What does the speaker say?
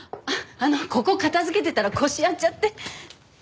あのここ片づけてたら腰やっちゃって。